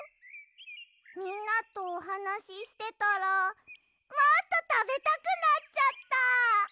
みんなとおはなししてたらもっとたべたくなっちゃった！